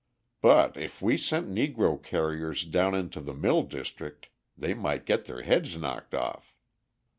But if we sent Negro carriers down into the mill district they might get their heads knocked off."